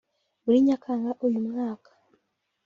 muri Nyakanga uyu mwaka